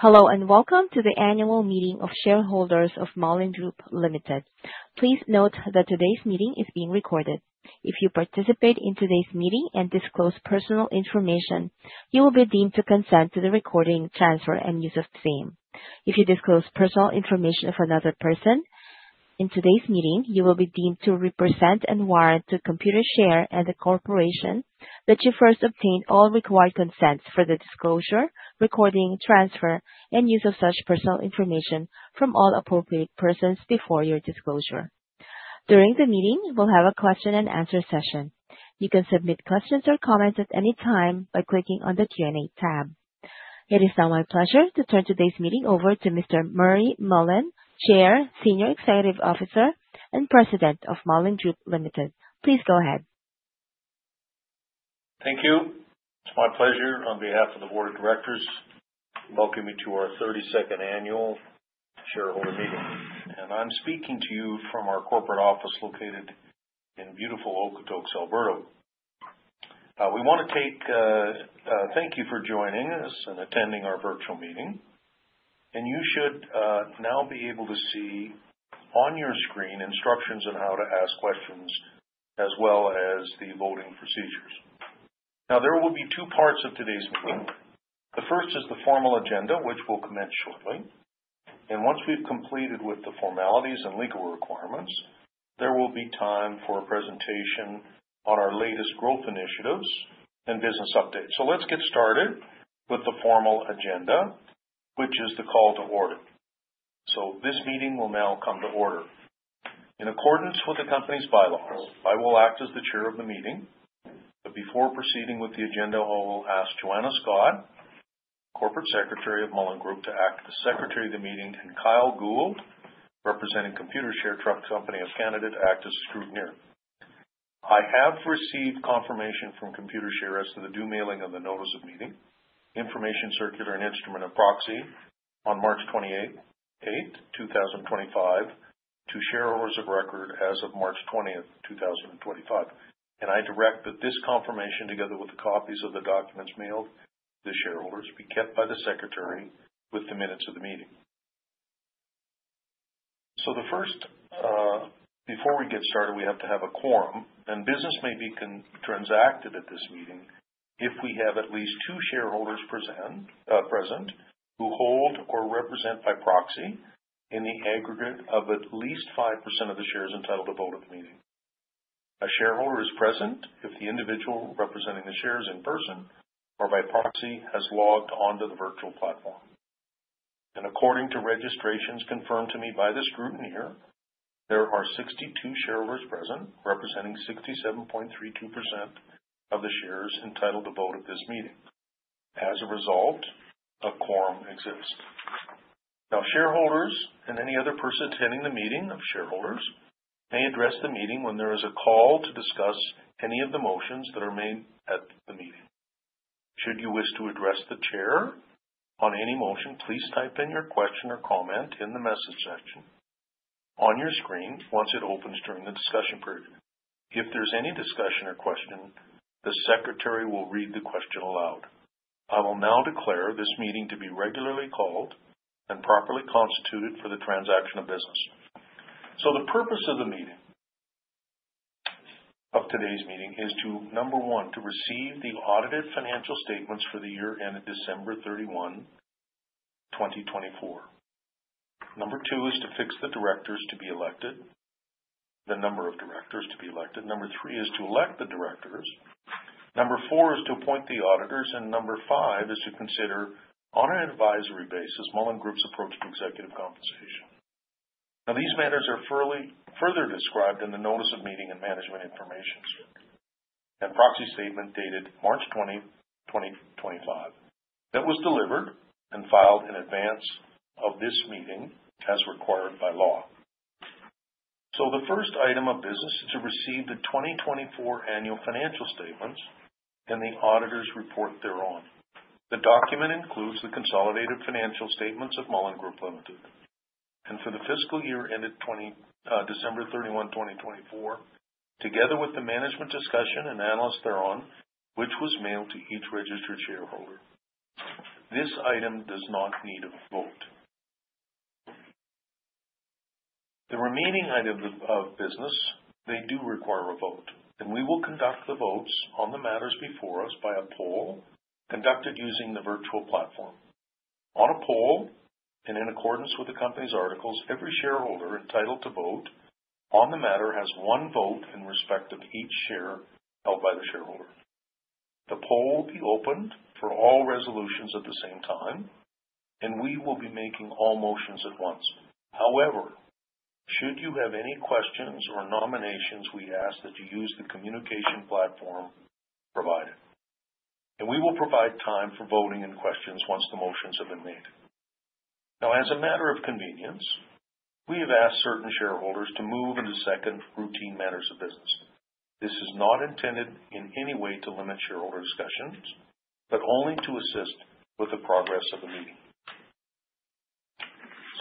Hello, and welcome to the annual meeting of shareholders of Mullen Group Ltd. Please note that today's meeting is being recorded. If you participate in today's meeting and disclose personal information, you will be deemed to consent to the recording, transfer, and use of same. If you disclose personal information of another person in today's meeting, you will be deemed to represent and warrant to Computershare and the corporation that you first obtained all required consents for the disclosure, recording, transfer, and use of such personal information from all appropriate persons before your disclosure. During the meeting, we'll have a question and answer session. You can submit questions or comments at any time by clicking on the Q&A tab. It is now my pleasure to turn today's meeting over to Mr. Murray Mullen, Chair, Senior Executive Officer, and President of Mullen Group Ltd. Please go ahead. Thank you. It's my pleasure on behalf of the board of directors, in welcoming you to our 32nd annual shareholder meeting, and I'm speaking to you from our corporate office located in beautiful Okotoks, Alberta. Thank you for joining us and attending our virtual meeting. You should now be able to see on your screen instructions on how to ask questions, as well as the voting procedures. There will be two parts of today's meeting. The first is the formal agenda, which will commence shortly, and once we've completed with the formalities and legal requirements, there will be time for a presentation on our latest growth initiatives and business updates. Let's get started with the formal agenda, which is the call to order. This meeting will now come to order. In accordance with the company's bylaws, I will act as the chair of the meeting. Before proceeding with the agenda, I will ask Joanna Scott, Corporate Secretary of Mullen Group, to act as Secretary of the meeting, and Kyle Gould, representing Computershare Trust Company of Canada, to act as scrutineer. I have received confirmation from Computershare as to the due mailing of the notice of meeting, information circular, and instrument of proxy on March 28th, 2025, to shareholders of record as of March 20th, 2025. I direct that this confirmation, together with the copies of the documents mailed to the shareholders, be kept by the secretary with the minutes of the meeting. The first, before we get started, we have to have a quorum. Business may be transacted at this meeting if we have at least 2 shareholders present, who hold or represent by proxy in the aggregate of at least 5% of the shares entitled to vote at the meeting. A shareholder is present if the individual representing the shares in person or by proxy has logged onto the virtual platform. According to registrations confirmed to me by the scrutineer, there are 62 shareholders present, representing 67.32% of the shares entitled to vote at this meeting. As a result, a quorum exists. Now, shareholders and any other person attending the meeting of shareholders may address the meeting when there is a call to discuss any of the motions that are made at the meeting. Should you wish to address the Chair on any motion, please type in your question or comment in the message section on your screen once it opens during the discussion period. If there's any discussion or question, the secretary will read the question aloud. I will now declare this meeting to be regularly called and properly constituted for the transaction of business. The purpose of the meeting, of today's meeting is to, Number 1, to receive the audited financial statements for the year ended December 31, 2024. Number 2 is to fix the directors to be elected, the number of directors to be elected. Number 3 is to elect the directors. Number 4 is to appoint the auditors, and Number 5 is to consider, on an advisory basis, Mullen Group's approach to executive compensation. These matters are further described in the notice of meeting and management information circular and proxy statement dated March 20, 2025, that was delivered and filed in advance of this meeting, as required by law. The first item of business is to receive the 2024 annual financial statements and the auditor's report thereon. The document includes the consolidated financial statements of Mullen Group Ltd., and for the fiscal year ended December 31, 2024, together with the management discussion and analysis thereon, which was mailed to each registered shareholder. This item does not need a vote. The remaining items of business, they do require a vote, and we will conduct the votes on the matters before us by a poll conducted using the virtual platform. On a poll, and in accordance with the company's articles, every shareholder entitled to vote on the matter has 1 vote in respect of each share held by the shareholder. The poll will be opened for all resolutions at the same time, and we will be making all motions at once. However, should you have any questions or nominations, we ask that you use the communication platform provided, and we will provide time for voting and questions once the motions have been made. Now, as a matter of convenience, we have asked certain shareholders to move and to second routine matters of business. This is not intended in any way to limit shareholder discussions, but only to assist with the progress of the meeting.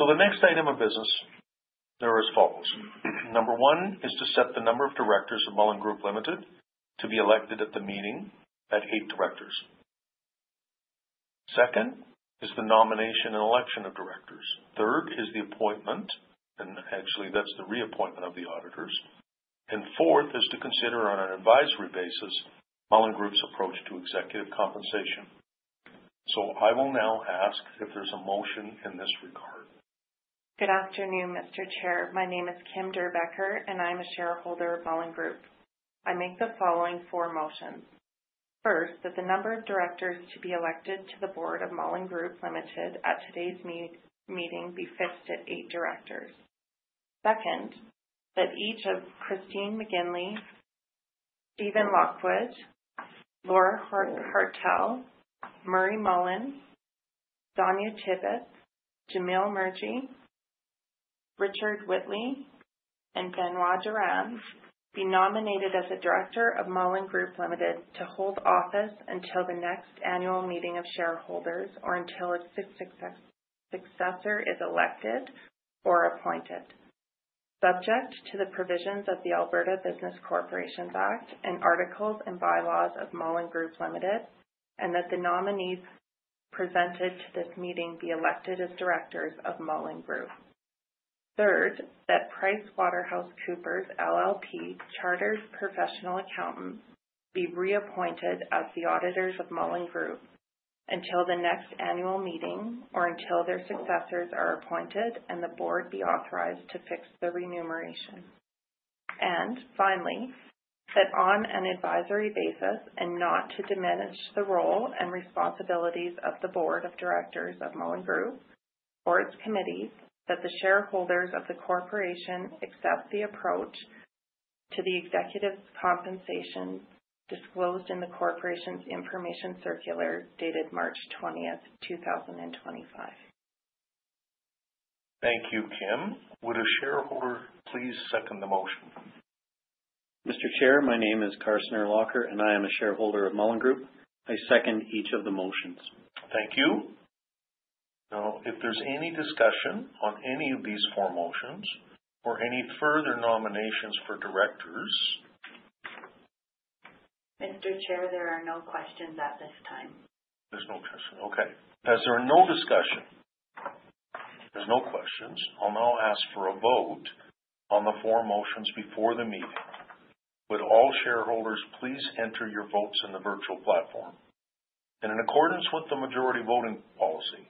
The next item of business, there are as follows. Number one is to set the number of directors of Mullen Group Limited to be elected at the meeting at eight directors. Second, is the nomination and election of directors. Third, is the appointment, and actually, that's the reappointment of the auditors. Fourth, is to consider, on an advisory basis, Mullen Group's approach to executive compensation. I will now ask if there's a motion in this regard. Good afternoon, Mr. Chair. My name is Kim Derbeker, I'm a shareholder of Mullen Group. I make the following 4 motions. First, that the number of directors to be elected to the board of Mullen Group Limited at today's meeting be fixed at 8 directors. Second, that each of Christine McGinley, Stephen Lockwood, Laura Hartwell, Murray Mullen, Sonia Tibbatts, Jamil Murji, Richard Whitley, and Benoit Durand be nominated as a director of Mullen Group Limited to hold office until the next annual meeting of shareholders or until a successor is elected or appointed, subject to the provisions of the Alberta Business Corporations Act and articles and bylaws of Mullen Group Limited. That the nominees presented to this meeting be elected as directors of Mullen Group. Third, that PricewaterhouseCoopers LLP, Chartered Professional Accountants, be reappointed as the auditors of Mullen Group until the next annual meeting or until their successors are appointed and the board be authorized to fix the remuneration. Finally, that on an advisory basis, and not to diminish the role and responsibilities of the board of directors of Mullen Group or its committees, that the shareholders of the corporation accept the approach to the executive compensation disclosed in the corporation's information circular dated March 20th, 2025. Thank you, Kim. Would a shareholder please second the motion? Mr. Chair, my name is Carson Urlacher, and I am a shareholder of Mullen Group. I second each of the motions. Thank you. Now, if there's any discussion on any of these four motions or any further nominations for directors? Mr. Chair, there are no questions at this time. There's no question. Okay. As there are no discussion, there's no questions. I'll now ask for a vote on the 4 motions before the meeting. Would all shareholders please enter your votes in the virtual platform? In accordance with the majority voting policy,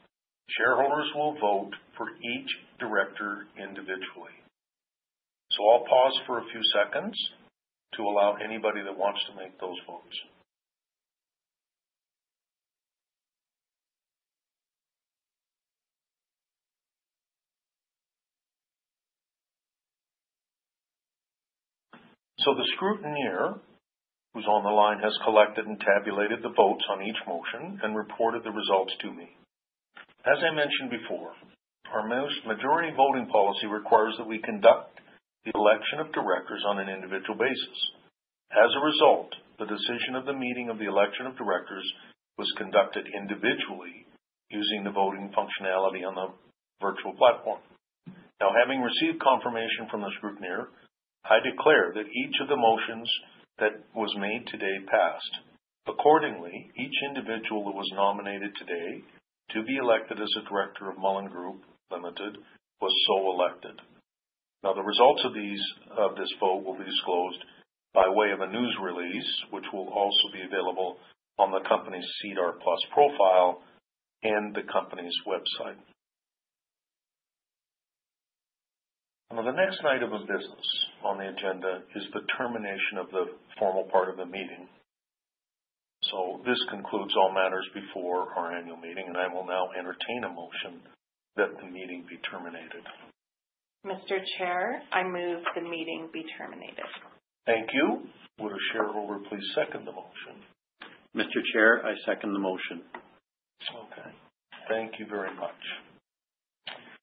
shareholders will vote for each director individually. I'll pause for a few seconds to allow anybody that wants to make those votes. The scrutineer, who's on the line, has collected and tabulated the votes on each motion and reported the results to me. As I mentioned before, our majority voting policy requires that we conduct the election of directors on an individual basis. As a result, the decision of the meeting of the election of directors was conducted individually using the voting functionality on the virtual platform. Now, having received confirmation from the scrutineer, I declare that each of the motions that was made today passed. Accordingly, each individual that was nominated today to be elected as a director of Mullen Group Ltd. was so elected. Now, the results of this vote will be disclosed by way of a news release, which will also be available on the company's SEDAR+ profile and the company's website. Now, the next item of business on the agenda is the termination of the formal part of the meeting. This concludes all matters before our annual meeting, and I will now entertain a motion that the meeting be terminated. Mr. Chair, I move the meeting be terminated. Thank you. Would a shareholder please second the motion? Mr. Chair, I second the motion. Okay, thank you very much.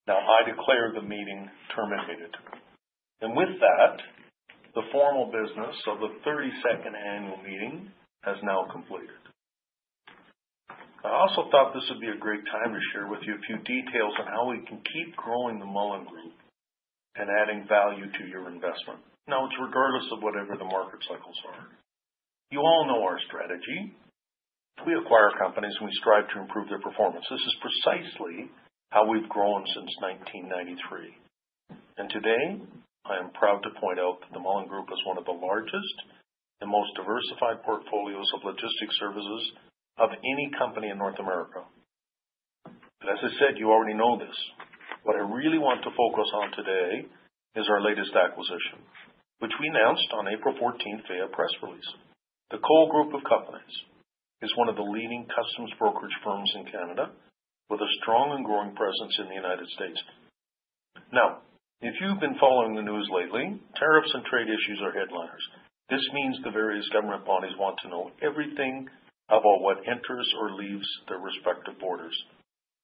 I declare the meeting terminated. With that, the formal business of the 32nd annual meeting has now completed. I also thought this would be a great time to share with you a few details on how we can keep growing the Mullen Group and adding value to your investment. It's regardless of whatever the market cycles are. You all know our strategy. We acquire companies, we strive to improve their performance. This is precisely how we've grown since 1993, today, I am proud to point out that the Mullen Group is one of the largest and most diversified portfolios of logistics services of any company in North America. As I said, you already know this. What I really want to focus on today is our latest acquisition, which we announced on April 14th via press release. The Cole Group of Companies is one of the leading customs brokerage firms in Canada with a strong and growing presence in the United States. If you've been following the news lately, tariffs and trade issues are headliners. This means the various government bodies want to know everything about what enters or leaves their respective borders.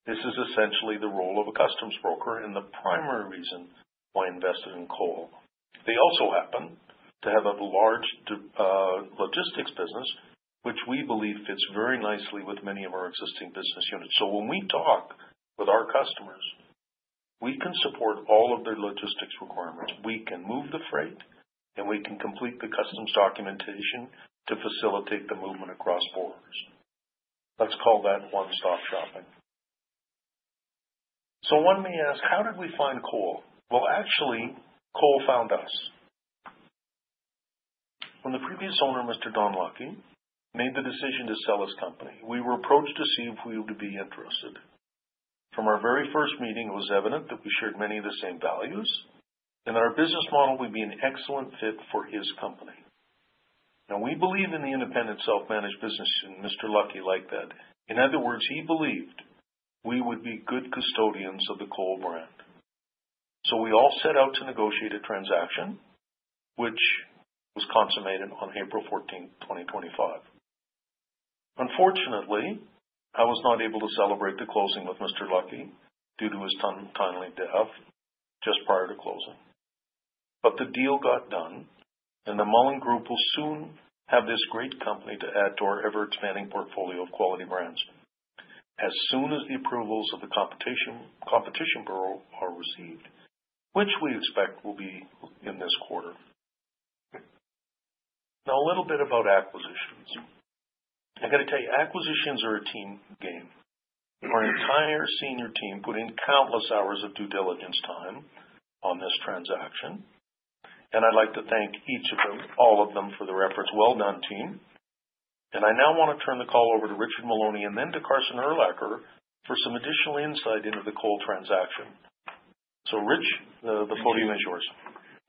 This is essentially the role of a customs broker and the primary reason why I invested in Cole. They also happen to have a large logistics business which we believe fits very nicely with many of our existing business units. When we talk with our customers, we can support all of their logistics requirements. We can move the freight, and we can complete the customs documentation to facilitate the movement across borders. Let's call that one-stop shopping. One may ask, how did we find Cole? Actually, Cole found us. When the previous owner, Mr. Don Lucky, made the decision to sell his company, we were approached to see if we would be interested. From our very first meeting, it was evident that we shared many of the same values, and our business model would be an excellent fit for his company. We believe in the independent, self-managed business, and Mr. Lucky liked that. In other words, he believed we would be good custodians of the Cole brand. We all set out to negotiate a transaction, which was consummated on April 14th, 2025. Unfortunately, I was not able to celebrate the closing with Mr. Lucky due to his timely death just prior to closing. The deal got done, and the Mullen Group will soon have this great company to add to our ever-expanding portfolio of quality brands. As soon as the approvals of the Competition Bureau are received, which we expect will be in this quarter. A little bit about acquisitions. I've got to tell you, acquisitions are a team game. Our entire senior team put in countless hours of due diligence time on this transaction, and I'd like to thank each of them, all of them, for the reference. Well done, team. I now want to turn the call over to Richard Maloney and then to Carson Urlacher for some additional insight into the Cole transaction. Rich, the floor now is yours.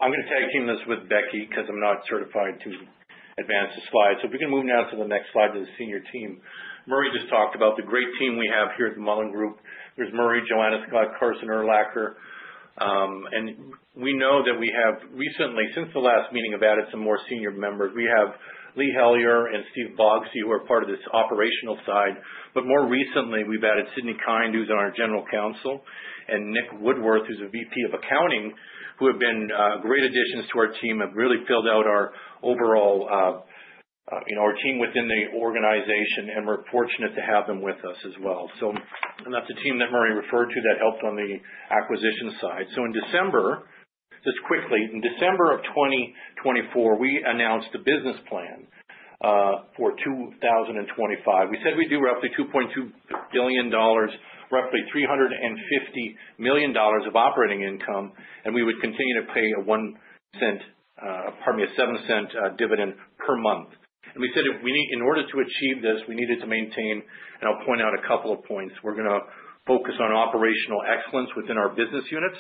I'm gonna tag team this with Becky because I'm not certified to advance the slide. If we can move now to the next slide, to the senior team. Murray just talked about the great team we have here at the Mullen Group. There's Murray, Joanna Scott, Carson Urlacher. We know that we have recently, since the last meeting, have added some more senior members. We have Lee Hellyer and Steve Bogstie, who are part of this operational side. More recently, we've added Sydni Kind, who's our General Counsel, and Nik Woodworth, who's a VP of Accounting, who have been great additions to our team, have really filled out our overall, you know, our team within the organization, and we're fortunate to have them with us as well. That's the team that Murray referred to that helped on the acquisition side. In December, just quickly, in December of 2024, we announced a business plan for 2025. We said we'd do roughly 2.2 billion dollars, roughly 350 million dollars of operating income, and we would continue to pay a 0.01, pardon me, a 0.07 dividend per month. We said that in order to achieve this, we needed to maintain... I'll point out a couple of points. We're gonna focus on operational excellence within our business units,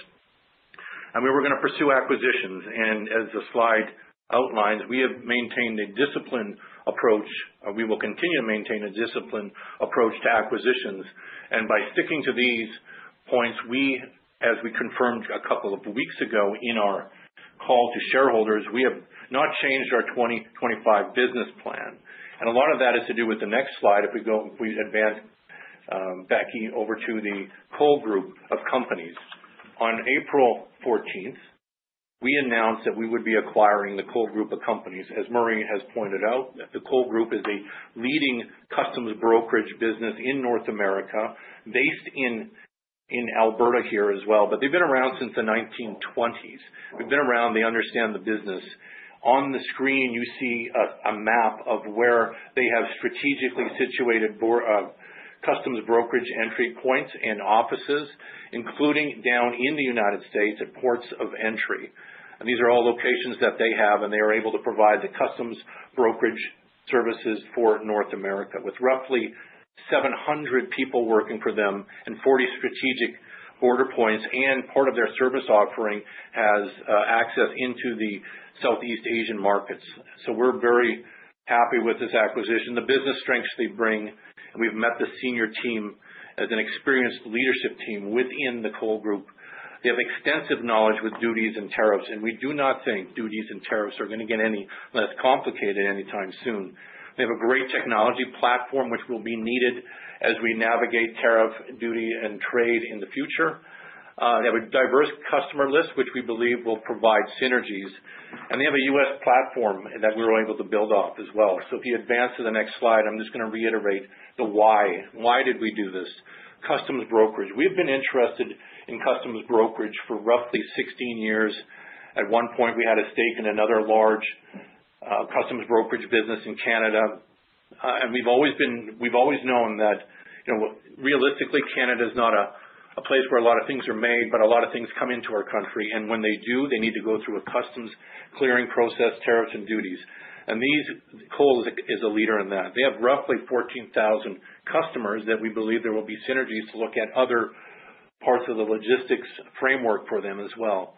and we were gonna pursue acquisitions. As the slide outlines, we have maintained a disciplined approach. We will continue to maintain a disciplined approach to acquisitions. By sticking to these points, we, as we confirmed a couple of weeks ago in our call to shareholders, we have not changed our 2025 business plan. A lot of that is to do with the next slide. If we go, if we advance, Becky, over to the Cole Group of Companies. On April 14th, we announced that we would be acquiring the Cole Group of Companies. As Murray has pointed out, the Cole Group is a leading customs brokerage business in North America, based in Alberta here as well. They've been around since the 1920s. They've been around. They understand the business. On the screen, you see a map of where they have strategically situated customs brokerage entry points and offices, including down in the United States at ports of entry. These are all locations that they have, and they are able to provide the customs brokerage services for North America, with roughly 700 people working for them and 40 strategic border points, and part of their service offering has access into the Southeast Asian markets. We're very happy with this acquisition, the business strengths they bring, and we've met the senior team as an experienced leadership team within the Cole Group. They have extensive knowledge with duties and tariffs, and we do not think duties and tariffs are gonna get any less complicated anytime soon. They have a great technology platform, which will be needed as we navigate tariff, duty, and trade in the future. They have a diverse customer list, which we believe will provide synergies, and they have a U.S. platform that we were able to build off as well. If you advance to the next slide, I'm just gonna reiterate the why. Why did we do this? Customs brokerage. We've been interested in customs brokerage for roughly 16 years. At one point, we had a stake in another large customs brokerage business in Canada. We've always known that, you know, realistically, Canada is not a place where a lot of things are made, but a lot of things come into our country. When they do, they need to go through a customs clearing process, tariffs and duties. These... Cole is a leader in that. They have roughly 14,000 customers that we believe there will be synergies to look at other parts of the logistics framework for them as well.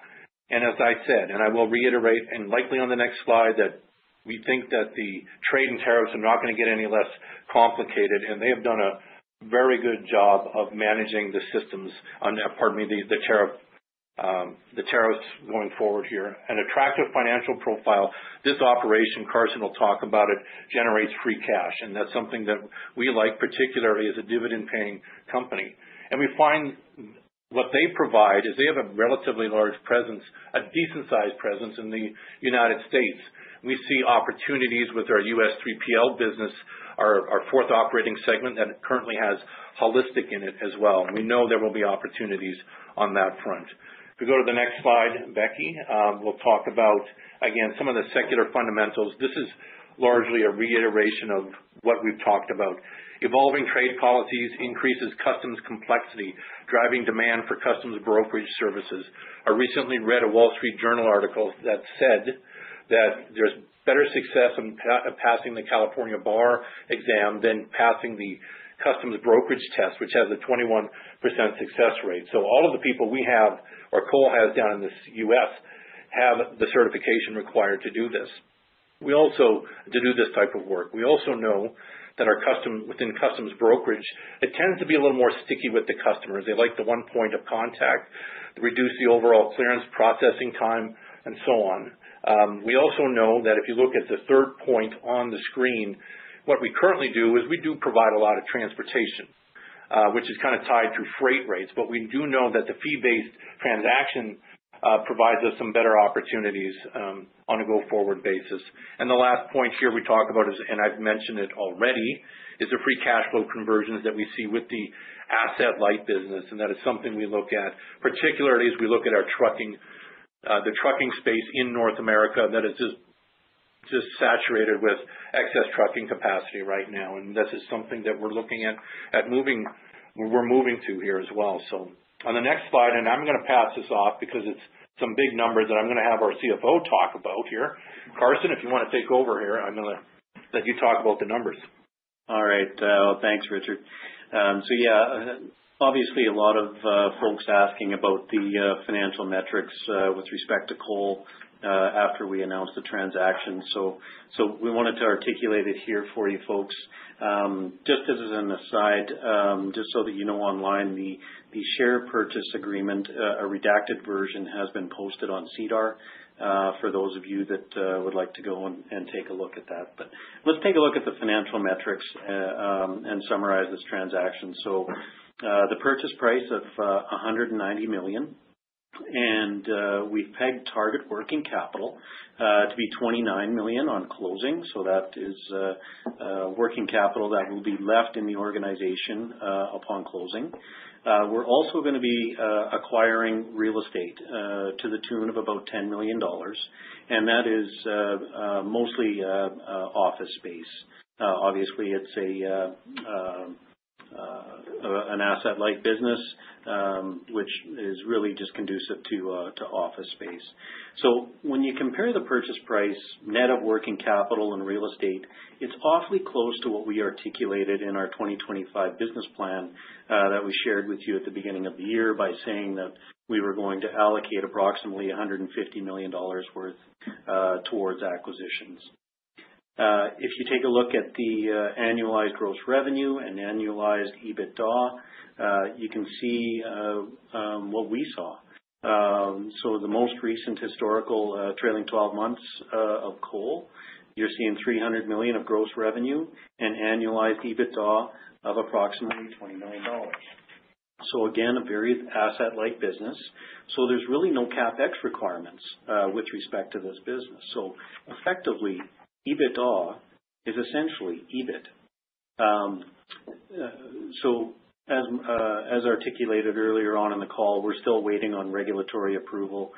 As I said, I will reiterate, and likely on the next slide, that we think that the trade and tariffs are not going to get any less complicated, and they have done a very good job of managing the systems, the tariffs going forward here. An attractive financial profile. This operation, Carson Urlacher will talk about it, generates free cash, and that is something that we like, particularly as a dividend-paying company. What they provide is they have a relatively large presence, a decent sized presence in the United States. We see opportunities with our U.S. 3PL business, our fourth operating segment, that currently has HAUListic in it as well. We know there will be opportunities on that front. If we go to the next slide, Becky, we will talk about, again, some of the secular fundamentals. This is largely a reiteration of what we've talked about. Evolving trade policies increases customs complexity, driving demand for customs brokerage services. I recently read a Wall Street Journal article that said that there's better success in passing the California bar exam than passing the customs brokerage test, which has a 21% success rate. All of the people we have, or Cole has down in the U.S., have the certification required to do this. We also know that our within customs brokerage, it tends to be a little more sticky with the customers. They like the one point of contact, reduce the overall clearance processing time and so on. We also know that if you look at the third point on the screen, what we currently do is we do provide a lot of transportation, which is kind of tied to freight rates. We do know that the fee-based transaction provides us some better opportunities on a go-forward basis. The last point here we talk about is, and I've mentioned it already, is the free cash flow conversions that we see with the asset-light business. That is something we look at, particularly as we look at our trucking, the trucking space in North America, that it's saturated with excess trucking capacity right now. This is something that we're looking at, moving to here as well. On the next slide, and I'm gonna pass this off because it's some big numbers that I'm gonna have our CFO talk about here. Carson, if you wanna take over here, I'm gonna let you talk about the numbers. All right. Thanks, Richard Maloney. Yeah, obviously, a lot of folks asking about the financial metrics with respect to Cole Group after we announced the transaction. We wanted to articulate it here for you folks. Just as an aside, just so that you know, online, the share purchase agreement, a redacted version has been posted on SEDAR for those of you that would like to go and take a look at that. Let's take a look at the financial metrics and summarize this transaction. The purchase price of 190 million, and we've pegged target working capital to be 29 million on closing. That is working capital that will be left in the organization upon closing. We're also gonna be acquiring real estate to the tune of about 10 million dollars, and that is mostly office space. Obviously, it's an asset-light business, which is really just conducive to office space. When you compare the purchase price net of working capital and real estate, it's awfully close to what we articulated in our 2025 business plan that we shared with you at the beginning of the year by saying that we were going to allocate approximately 150 million dollars worth towards acquisitions. If you take a look at the annualized gross revenue and annualized EBITDA, you can see what we saw. The most recent historical, trailing 12 months, of Cole, you're seeing 300 million of gross revenue and annualized EBITDA of approximately 20 million dollars. Again, a very asset-light business. There's really no CapEx requirements with respect to this business. Effectively, EBITDA is essentially EBIT. As articulated earlier on in the call, we're still waiting on regulatory approval,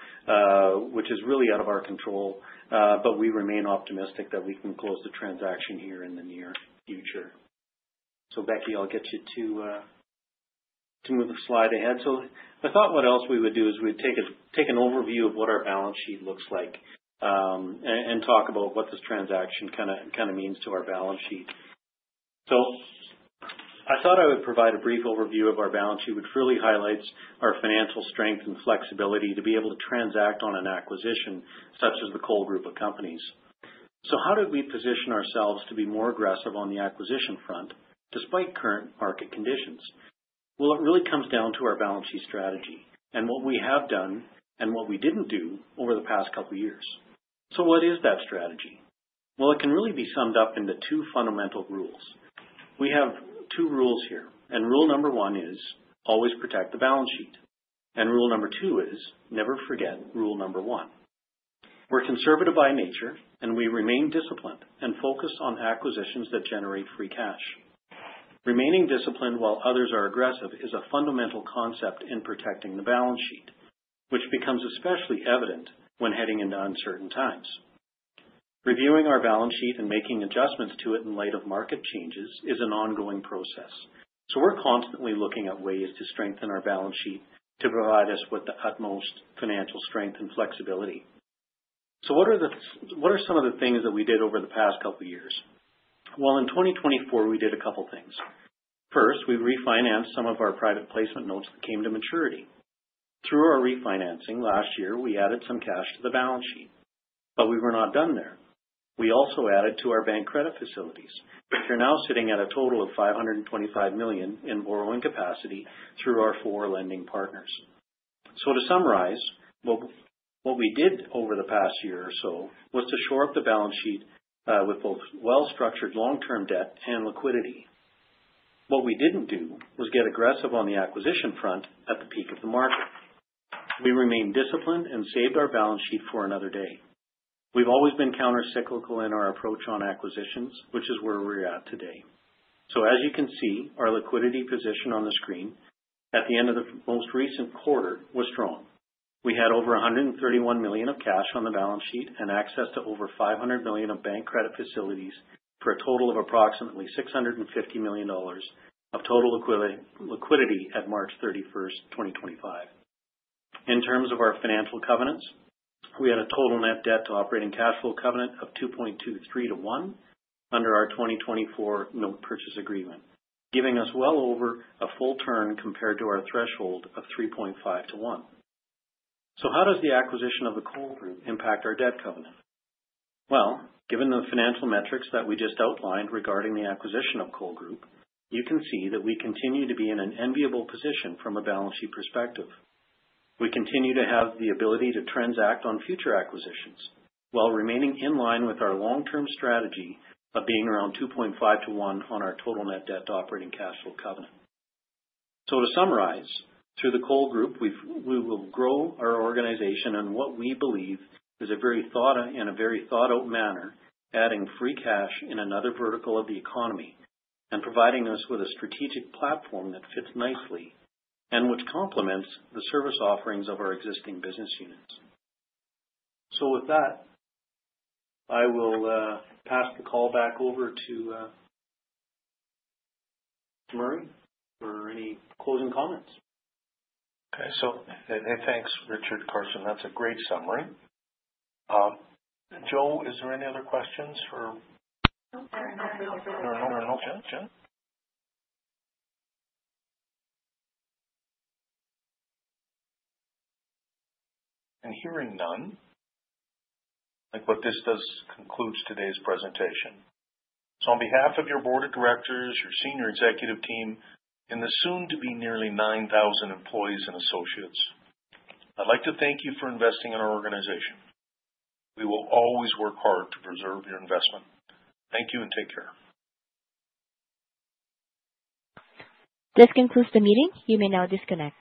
which is really out of our control, but we remain optimistic that we can close the transaction here in the near future. Becky, I'll get you to move the slide ahead. I thought what else we would do is we'd take an overview of what our balance sheet looks like, and talk about what this transaction kinda means to our balance sheet. I thought I would provide a brief overview of our balance sheet, which really highlights our financial strength and flexibility to be able to transact on an acquisition such as the Cole Group of Companies. How did we position ourselves to be more aggressive on the acquisition front despite current market conditions? It really comes down to our balance sheet strategy and what we have done and what we didn't do over the past couple of years. What is that strategy? It can really be summed up into two fundamental rules. We have two rules here, and rule number one is always protect the balance sheet. Rule number two is never forget rule number one. We're conservative by nature, and we remain disciplined and focused on acquisitions that generate free cash. Remaining disciplined while others are aggressive is a fundamental concept in protecting the balance sheet, which becomes especially evident when heading into uncertain times. Reviewing our balance sheet and making adjustments to it in light of market changes is an ongoing process. We're constantly looking at ways to strengthen our balance sheet to provide us with the utmost financial strength and flexibility. What are some of the things that we did over the past couple of years? Well, in 2024, we did a couple of things. First, we refinanced some of our private placement notes that came to maturity. Through our refinancing last year, we added some cash to the balance sheet, we were not done there. We also added to our bank credit facilities, which are now sitting at a total of 525 million in borrowing capacity through our four lending partners. To summarize, what we did over the past year or so was to shore up the balance sheet with both well-structured long-term debt and liquidity. What we didn't do was get aggressive on the acquisition front at the peak of the market. We remained disciplined and saved our balance sheet for another day. We've always been countercyclical in our approach on acquisitions, which is where we're at today. As you can see, our liquidity position on the screen at the end of the most recent quarter was strong. We had over 131 million of cash on the balance sheet and access to over 500 million of bank credit facilities, for a total of approximately 650 million dollars of total liquidity at March 31, 2025. In terms of our financial covenants, we had a total net debt to operating cash flow covenant of 2.23 to 1 under our 2024 note purchase agreement, giving us well over a full turn compared to our threshold of 3.5-1. How does the acquisition of the Cole Group impact our debt covenant? Well, given the financial metrics that we just outlined regarding the acquisition of Cole Group, you can see that we continue to be in an enviable position from a balance sheet perspective. We continue to have the ability to transact on future acquisitions while remaining in line with our long-term strategy of being around 2.5-1 on our total net debt to operating cash flow covenant. To summarize, through the Cole Group, we will grow our organization on what we believe is a very thought, in a very thought out manner, adding free cash in another vertical of the economy and providing us with a strategic platform that fits nicely and which complements the service offerings of our existing business units. With that, I will pass the call back over to Murray for any closing comments. Okay. Thanks, Richard, Carson. That's a great summary. Joe, is there any other questions? Nope. There are no. Okay. Hearing none, like, what this does, concludes today's presentation. On behalf of your board of directors, your senior executive team, and the soon-to-be nearly 9,000 employees and associates, I'd like to thank you for investing in our organization. We will always work hard to preserve your investment. Thank you, and take care. This concludes the meeting. You may now disconnect.